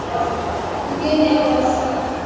Mgeni amewasili